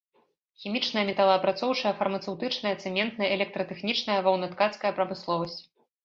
Хімічная, металаапрацоўчая, фармацэўтычная, цэментная, электратэхнічная, ваўнаткацкая прамысловасць.